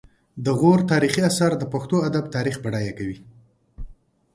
د غور تاریخي اثار د پښتو ادب تاریخ بډایه کوي